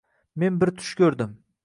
Men bir tush ko’rdim.